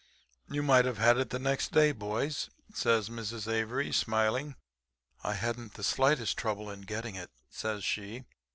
"'You might have had it the next day, boys,' says Mrs. Avery, smiling. 'I hadn't the slightest trouble in getting it,' says she.